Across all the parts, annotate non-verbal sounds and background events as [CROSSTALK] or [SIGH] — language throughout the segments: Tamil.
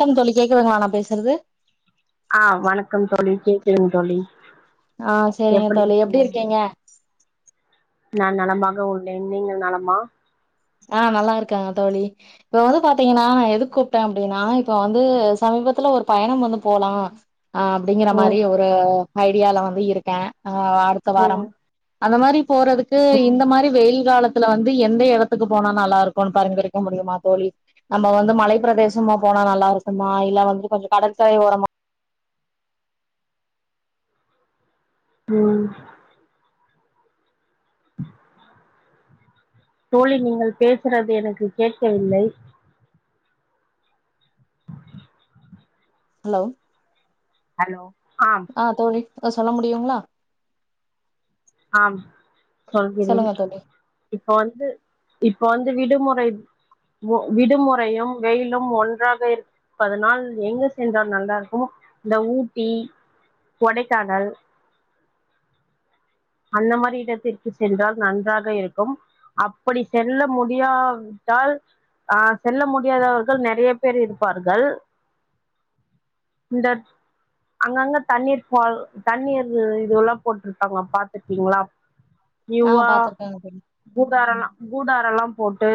கம் தோழி கேக்குதுங்களா நா பேசுறது கேக்குதுங் தோழி ஆ செரிங்க எப்படி தோழி எப்டி இருக்கீங்க நா நலமாக உள்ளேன் நீங்கள் நலமா ஆ நல்லா இருக்க தோழி ஓ வந்து பாத்தீங்கனா நா எதுக் கூப்ட்டே அப்டினா இப்ப வந் து சமீபத்துல ஒரு பயணம் வந்து போலா ஆ அப்டிங்கற ம் மாரி ஒரு ஐடியால வந்து இருக்கே ஆ அடுத்த வாரம் ம் அந்த மாரி போறதுக்கு ம் இந்த மாரி வெயில் கால த்துல வந்து எந்த எடத் துக்கு போனா நல்லா இருக்கோனு பரிந்துரைக்க முடியுமா தோழி நம்ம வந்து மலை பிரதேசமா போனா நல்லா இருக்குமா இல்ல வந்து கொஞ்ச கடற்கரை ஓரமா ம் தோழி நீங்கள் பேசுறது எனக்கு கேக்கவில்லை ஹலோ ஹலோ ஆம் ஆ தோழி அ சொல்ல முடியுங்ளா ஆம் சொல்கிறே சொல்லுங்க தோழி இப் போ வந்ட்டு இப்ப வந்து விடுமொறை ஒ விடுமொறையும் வெயிலும் ஒன்றாக இருப் பதனால் எங்க சென்றால் நல்லா இருக்கோ இந்த ஊட்டி கொடைக்கானல் அந்த மாரி இடத்திற்கு சென்றால் நன்றாக இருக்கும் அப்படி செல்ல முடியாவிட்டால் அ செல்ல முடியாதவர்கள் நெறைய பேரு இருப்பார்கள் இந்தட் அங்கங்க தண்ணீர் ஃபால் தண்ணீர் இ இதுவெல்லா போட்ருக்காங்களா பா ப்பீங்களா ஆ இவவா பாத்துருக்கேங்க தோழி உதாரண கூடாரலா போட்டு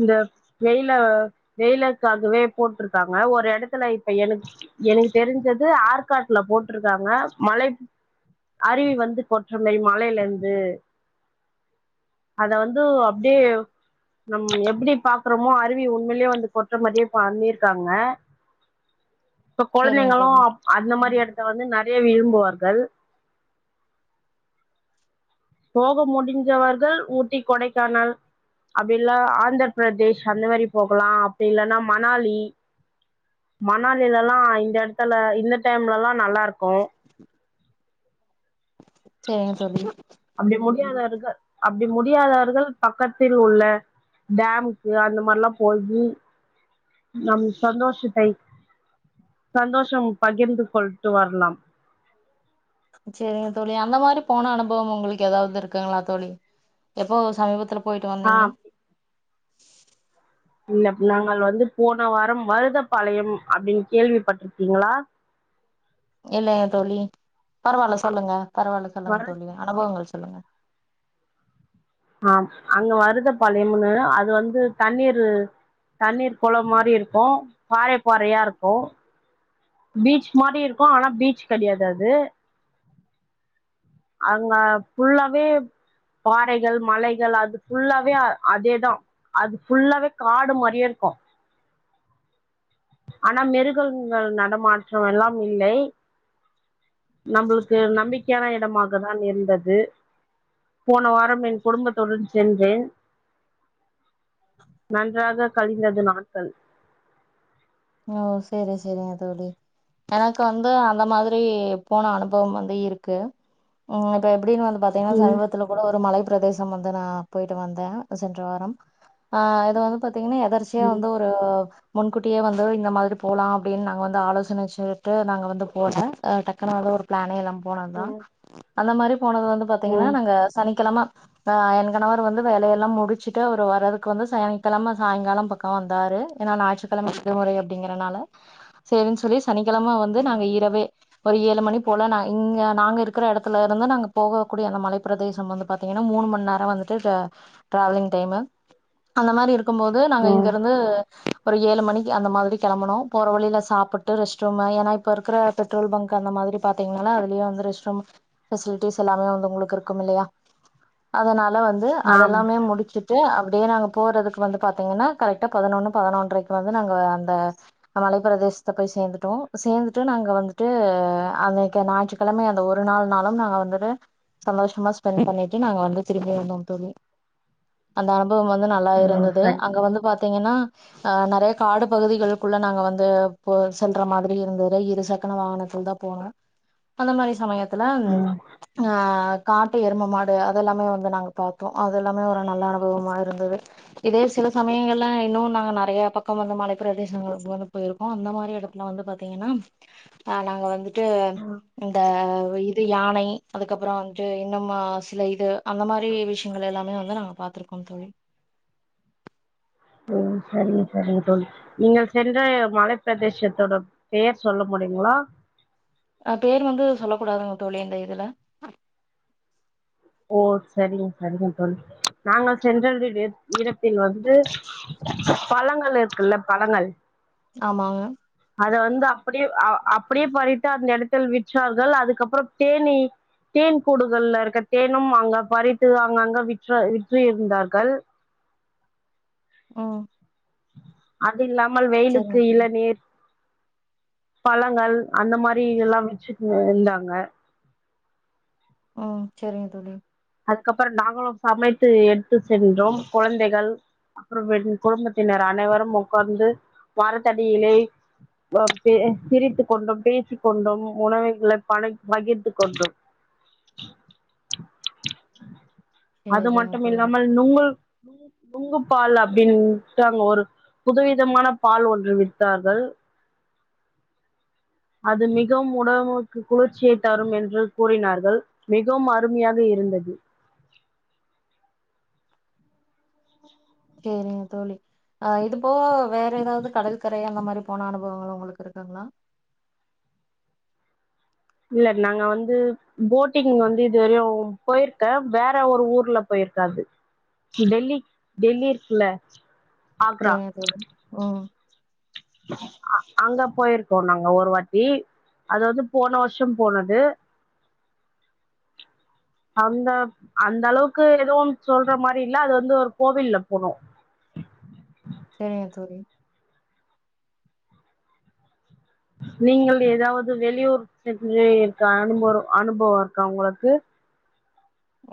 இந்த வெயில வெயிலுக்காகவே போட்ருக்காங்க ஒரு எடத்துல இப்ப எனக்கு எனக்கு தெரிஞ்சது ஆற்காட்ல போட்ருக்காங்க மலை அருவி வந்து கொட்ற மாரி மலையில இருந்து அத வந்து அப்டியே நம் எப்புடி பாக்குறோமோ அருவி உண்மயிலே வந்து கொட்ற மாதியே பண்ணிருக்காங்க இப்ப சரிங்க கொழந்தைங்களு தோழி அப் அந்த மாரி இடத்த வந்து ந றைய விரும்புவார்கள் போக முடிஞ்சவர்கள் ஊட்டி கொடைக்கானல் அப்படி இல்ல ஆந்தர பிரதேஷ் அந்த மாரி போகலா அப்படி இல்லன்னா மணாலி மணாலிலல்லா இந்த எடத்துல இந்த டைம்லல்லா நல்லா இருக்கும் சரிங்க தோழி அப்படி முடியாதவர்கள் பக்கத்தில் உள்ள டேமுக்கு அந்த மாதிரி எல்லாம் போய் நம்ம சந்தோஷத்தை சந்தோஷம் பகிர்ந்து கொண்டு வரலாம் சரிங்க தோழி அந்த மாதிரி போன அனுபவம் உங்களுக்கு ஏதாவது இருக்குதுங்களா தோழி இப்போ சமீபத்துல போயிட்டு வந்தீங்க ஆஹ் இல்ல நாங்கள் வந்து போன வாரம் மருதப்பாளையம் அப்படின்னு கேள்விப்பட்ருக்கீங்களா இல்லங்க தோழி பரவால்ல சொல்லுங்க பரவால்ல சொல்லுங்க மரு தோழி அனுபவங்கள் சொல்லுங்க ஆம் அங்க வருதப்பாளையம் அது வந்து தண்ணீரூ தண்ணீர் குளம் மாரி இருக்கும் பாறைப்பாறையா இருக்கு பீச் மாரி இருக்கும் ஆனா பீச் கிடையாது அது அங்க புல்லாவே பாறைகள் மலைகள் அது ஃபுல்லாவே அதேதான் அது ஃபுல்லாவே காடு மாரியே இருக்கும் ஆனா மிருகங்கள் நடமாட்டம் எல்லாம் இல்லை நம்மளுக்கு நம்பிக்கையான இடமாக தான் இருந்தது போன வாரம் என் குடும்பத்துடன் சென்றேன் நன்றாக கழிந்தது நாட்கள் ஓ சரி சரிங்க தோழி எனக்கு வந்து அந்த மாதிரி போன அனுபவம் வந்து இருக்கு ம் அது அப்படின்னு வந்து பாத்தீங்கன்னா ம் சமீபத்துல கூட ஒரு மலை பிரதேசம் வந்து நான் போயிட்டு வந்தே சென்ற வாரம் ஆ இது வந்து பார்த்திங்கனா எதிர்ச்சியா வந்து ஒரு முன்கூட்டியே வந்து இந்த மாதிரி போலாம் அப்படின்னு நாங்க வந்து ஆலோசனை சொல்லிட்டு நாங்க வந்து போன டக்குனு அது ஒரு பிளான் எல்லாம் போன தான் ம் அந்த மாரி போனது வந்து பாத்தீங்கன்னா ம் நாங்க சனிக்கிழம ஆ என் கணவர் வந்து வேலையெல்லாம் முடிச்சுட்டு அவர் வரதுக்கு வந்து சனிக்கிழம சாயங்காலம் பக்கம் வந்தாரு என்னா ஞாயிற்றுக்கிழம விடுமுறை அப்படி என்றதுனால சரின்னு சொல்லி சனிக்கிழம வந்து நாங்க இரவே ஒரு ஏழு மணி போல நா இங்கே நாங்கள் இருக்கிற இடத்துல இருந்து நாங்கள் போகக்கூடிய அந்த மலைப்ப பிரதேசம் வந்து பார்த்தீங்கன்னா மூணு மணி நேரம் வந்து டிராவலிங் டைம் அந்த மாதிரி இருக் இருக்கும் போது நாங்க ம் இங்கிருந்து ஒரு ஏழு மணி அந்த மாதிரி கிளம்பினோம் போற வழியில சாப்பிட்டு ரெஸ்ட் ரூம் என இப்ப இருக்குற பெட்ரோல் பங்க் அந்த மாதிரி பார்த்தீங்கன்னா அதிலேயே ரெஸ்ட் ரூம் பெசிலிட்டிஸ் எல்லாமே வந்து இருக்கும் இல்லையா வந்து ஆம் அதெல்லாமே முடிச்சுட்டு அப்படியே நாங்க போறதுக்கு வந்து பாத்தீங்கன்னா கரெக்டா பதினொன்னு பதினொன்றரைக்கு வந்து நாங்க அந்த மலைப் பிரதேசத்தை போய் சேர்ந்துட்டோம் சேர்ந்துட்டு நாங்க வந்து து அன்னைக்கு ஞாயிற்றுக்கிழம கிழமை அந்த ஒரு நாள் நாளும் நாங்க வந்துட்டு சந்தோஷமா ஸ்பெண்ட் பண்ணிட்டு நாங்க வந்து திரும்பி வந்தோம் தோழி அந்த அனு பவம் வந்து நல்லா ஓ இருந்துது சரி அங்க வந்து பாத்தீங்கன்னா அ நெறைய காடு பகுதிகளுக்குள்ள நாங்க வந்து போய் செல்ற மாரி இருந்துது இரு சக்கர வாகனத்தில் தா போனோ அந்த மாரி சமயத் ல அ காட்டு எரும மாடு அதெல்லாமே வந்து நாங்க பாத்தோ அது எல்லாமே ஒரு நல்ல அனுபவமா இருந்தது இதே சில சமயங்கள்ல இன்னு நாங்க நெறைய பக்கோ அக்க வந்து மலை பிரதேசங்கள் வந்து போயிருக்கோ அந்த மாரி எடத்துல வந்து பாத்தீங்கன்னா அ நாங்க வந்துட்டு இந்த இது யானை அதுக்கப்புறோ வந்துட்டு இன்னு சில இது அந்த மாரி விஷயங்கள் எல்லாமே வந்து நாங்க பாத்திருக்கோம் தோழி ம் சரிங்க சரிங்க தோழி நீங்க சென்ற மலை பிரதேசத்தோட பெர் சொல்ல முடியுங்களா. அ பேர் வந்து சொல்ல கூடாதுங்க தோழி இந்த இதுல. ஓ சரிங்க சரிங்கு தோழி நாங்க சென்றது இடத்தில் வந்து பழங்கள் இருக்குல்ல பழங்கள் ஆமாங்க அதை வந்து அப்படியே அப்படியே பறித்து அந்த இடத்தில் விற்றார்கள் அதுக்கப்புறம் தேனீ தேன் கூடுகள்ல இருக்கர. தேனும் அங்க பறித்து அங்கங்க விற்ற விற்று இருந்தார்கள். ம் அந் இல்லாமல் சரிங்க வெயிலுக்கு தோழி இளநீர் பழங்கள் அந்த மாரி இதெல்லா வச்சு இருந்தாங்க ம் சரிங்க தோழி அதுக்கப்புரோ நாங்களு சமைத்து எடுத்து சென்றோம் குழந்தைகள் அப்புறம் என் குடும்பத்தினர் அனைவரும் உ்க்கார்ந்து மரத்தடியிலே சிரித்து கொண்டோம் பேசிக்க கொண்டோம் உணவுகளை பகிர்ந்து கொண்டோம் [INAUDIBLE] அது சேரிங்க மட்டும் தோழி இல்லாமல் நுங்கல் நுங்கு பால் அப்படின்ட்டு அங்க ஒரு புதவிதமான பால் ஒன்று வித்தார்கள் அது மிகவும் உடம்புக்கு குளிர்ச்சியை தரும் என்று கூறினார்கள் மிகவும் அருமையாக இருந்தது. சேரிங்க தோழி ஆ இது போ வேற ஏதாவது கடல் கரை அந்த மாறி போன அனுபவங்கள்லா உங்களுக்கு இருக்குங்ளா இல்ல நாங்க வந்து போட்டிங் வந்து இதுவரயு போயிருக்க வேற ஒரு ஊர்ல போயிருக்க அது டெல்லி டெல்லி இருக்குல்ல தெரியு தெரியு ம் அங் அங்க போயிருக்கோ நாங்க ஒரு வாட்டி அது வந்து போன வருஷோ போனது அந்த அந்தளவுக்கு எதுவு சொல்ற மாரி இல்ல அது வந்து ஒரு கோவில்ல போனோ செரிங்க தோழி நீங்கள் எதாவது வெளியூர் சென்று இருக்க அனுப அனுபவோ இருக்கா உங்குளுக்கு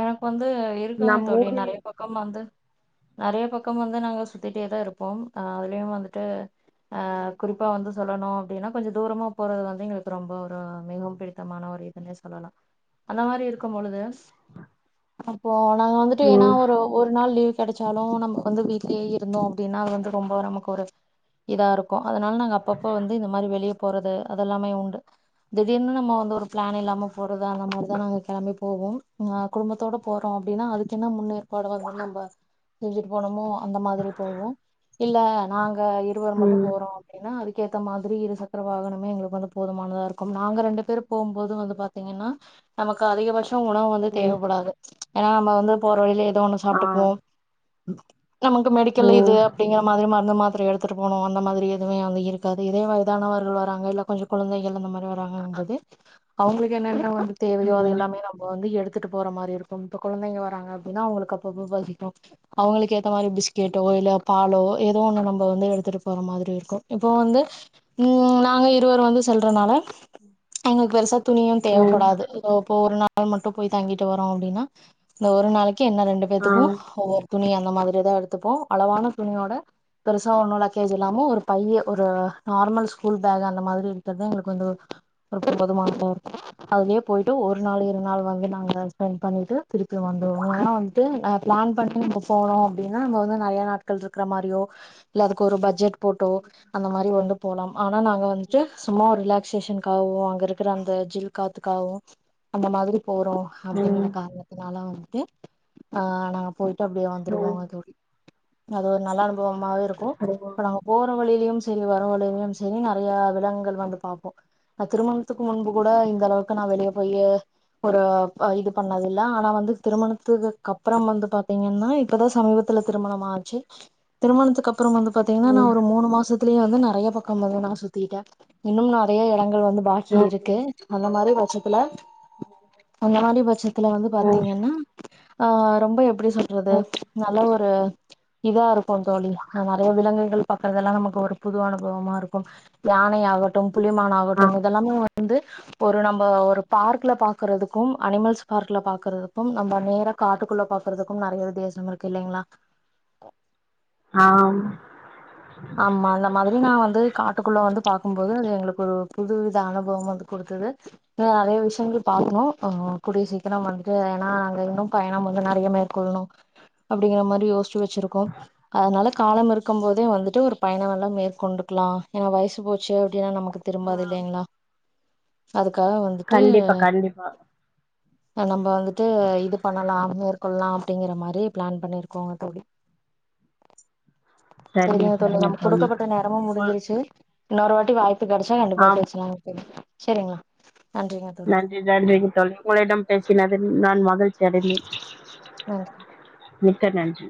எனக் வந்து இருக்கும் நம் தோழி ஊரில் நறைய பக்கம் வந்து நறைய பக்கம் வந்து நாங்க சுத்திட்டே தா இருப்போம் அதுலயும் வந்துட்டு அ குறிப்பா வந்து சொல்லணு அப்டினா கொஞ்ச தூரமா போறது வந்து எங்குளுக்கு ரொம்ப ஒரு மிகவும் பிடித்தமான ஒரு இதுன்னே சொல்லலா அந்த மாரி இருக்கும் பொழுது அப்போ நா வந்துட்டு ஏனா ம் ஒரு ஒரு நாள் லீவ் படிச்சாலூ நமக் வந்து வீட்லேயே இருந்தோ அப்டினா அது வந்து ரொம்ப நமக்கொரு இதார்க்கூ அதனால நாங்க அப்பப்ப வந்து இந்த மாரி வெளிய போறது அதல்லாமே உண்டு திடீர்னு நம்ம வந்து ஒரு ப்ளான் இல்லாம போறது அந்த மாரிதா நாங்க கெளம்பி போவோ ஆ குடும்பத்தோட போறோ அப்டின்னா அதுக்கு என்ன முன்னேற்பாடு வரு நம்ப செஞ்சுட்டு போனோமோ அந்த மாதிரி போவோ இல்ல நாவ் இப்ப இருவர் மட்டு ம் போறோ அப்படின்னா அது கேத்த மாதிரி இரு சக்கர வாகனமே எங்கள்க்கு வந்து போதுமானதா இருக்கும் நாங்க ரெண்டு பேரு போம்போது வந்து பாத்தீங்கன்னா நமக்கு அதிகபட்சோ உணவு வந்து ம் தேவபடாது ஏன்னா நம்ம வந்து போற வழியில ஏதோ ஒண்ணு ஆ சாப்டுக்குவோம் ம் நமக்கு மெடிக்கல்ல இது ம் அப்டிங்கற மாதிரி மரு மாரி எடுத்துட்டு போனு அந்த மாரி எதுமே அங்க இருக்காது இதே வயதானவர்கள் வராங்க இல்ல கொஞ்சோ கெழந்தைகள் அந்த மாரி வராங்கன்னும் போது அவங்களுக்கு என்ன தேவையோ அது ம் எல்லாமே நம்ம வந்து எடுத்து எடுத்துட்டு போற மாரி இருக்கும் இப்ப குழந்தைங்க வராங்கா அப்டின்னா அப்போ அப்போ பசிக்கு அவங்குளுக்கு ஏத்தா மாரி பிஸ்கேட்டோ பாலோ ஏதோ ஒண்ணு நம்ம வந்து எடுத்துட்டு போற மாதிரி இருக்கு இப்போ வந்து ம் நாங்க இருவர் வந்து செல்றதுனால எங்களுக்கு பெருசா துணியு ம் தேவபடாது இப்ப ஒரு நாள் அது மட்டு போய் தங்கிட்டு வருவோ அப்டின்னா இந்த ஒரு நாளிக்கு என்ன ரெண்டு ஆ பேர்த்துக்கு ஒவ்வொரு துணி அந்த மாரிதா எடுத்துப்போ அளவான துணியோட பெருசா ஒண்ணு லக்கேஜ் இல்லாம ஒரு பையி ஒரு நார்மல் ஸ்கூல் பேக்கு அந்த மாரி எடுத்ததுதா எங்களுக்கு ஒரு போதுமானதா இருக்கு அதுலயே போயிட்டு ஒரு நாள் இரு நாள் வங்க ஏன்னா நாங்க எக்ஸ்பேட் பண்ணிட்டு திருப்பி வந்து பிளான் பண்ணிட்டு போறோம்ன்னும் போது நெறைய நாட்கள் இர்குற மாரியோ இல்ல அதுக்கு ஒரு பட்ஜெட் போட்டோ அந்த மாரி வந்து போலா ஆனா நாங்க வந்துட்டு சும்மா ஒரு ரிலாக்ஸ் வெக்கேஷன்காகவு அங்க இருக்கிற அந்த ஜில் காத்துக்காகவு அந்த மாதிரி போறோ அப்டிங்குற ம் காரணத்தினால வந்து ம் ஆனா போயிட்டு அப்டியே வந்துருவாங்க தோழி அது ஒரு நல்ல அனுபவமே இருக்கு ம் இப்ப நாங்க போற வழியிலயும் செரி வர வழியிலயும் செரி நிறைய விலங்குகள் வந்து பாப்போம் திருமணத்துக்கு முன்பு கூட இந்த அளவுக்கு நா வெளிய போயி ஒரு இது பண்ணது ஆனா வந்து திருமணத்துக்கு கப்புறம் வந்து பாத்தீங்கன்னா இப்பதா சமீபத்துல திருமணம் ஆச்சு திருமணத்துக்குகப்புறம் அப்புறோ வந்து பாத்தீன்னா நா ம் ஒரு மூணு மாசத் துலியே வந்து நெறைய பக்கம் வந்து நா சுத்திட்டே இன்னும் நெறைய எடங்கள் வந்து பாக்கி ம் இருக்கு அந்த மாரி ஒர் [UNINTELLIGIBLE] அந்த மாரி பட்சத்துல வந்து ம் பாத்தீங்கன்னா அ ரொம்ப எப்டி எப்புடி சொல்றது நல்ல ஒரு இதா இருக்கு தோழி நா நறைய விலங்கைகள் பாக்குறதெல்லா நமக்கு ஒரு புது அனுபவமா இருக்கு யானை ஆகட்டு புள்ளிமான் ஆ ஆகட்டு இது எல்லாமே வந்து ஒரு நம்ப ஒரு பார்க்கல பாக் பாக்கறதுக்கு அனிமல்ஸ் பாக்குறதுக்கு நம்ம நேர காட்டுக்குள்ள பாக்குறதுக்கு நறைய உத்தாசம் இருக்கு இல்லைங்ளா ஆ ஆம்மா அந்த மாதுரி நா வந்து காட்டுக்குள்ள வந்து பாக் க்கும் போது அது எங்ளுக் ஒரு புதுவித அனுபவ வந்து குடுக்குது நறைய விஷ்யங்கள் பாக்ணு அ கூடிய சீக்கிரம் வந்துட்டு ஏன்னா நாங்க இன்ன பயணம் வந்து நறைய மேற்கொள்னோ அப்டிங்ற மாரி யோஸ்ச்சி வெ ச்சிருக்கோ அதனால காலம் இருக்கம்போதே வந்துக் டு ஒரு பயணம் எல்லாம் மேற் கொண்டுக்லா ஏன்னா வய்சு போச்சு டியென்னா நமக்கு திரும்பாது இல்லேங்ளா அதுக்காக வந்துட்டு கண்டிப்பா கண்டிப்பா அ நம்ப் ப வந்துட்டு இது பண்ணலான்னு இரு கொல்லா அப்டிங்கிற மாரி ப்ளான் பண்ணிருக்கோ தோழி சரிங்க இப்ப சரிங்க நமக்கு தோழி குடுக்கப்பட்ட நேரமும் உங்கள் முடிஞ்சிருச்சி இன்னொரு வாட்டி வாய்ப் கெடச்சா கண்டிப்பா ஆம் பேசலாங்க தோழி செரிங்க நன்றி நன்றிங்க தோழி உங்கள் இடம் பேசினது நான் வா கள் சரந்தி [UNINTELLIGIBLE] நன்றி மிக்க நன்றி